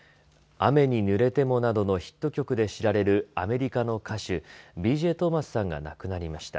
雨にぬれてもなどのヒット曲で知られるアメリカの歌手、Ｂ・Ｊ・トーマスさんが亡くなりました。